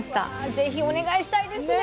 是非お願いしたいですね。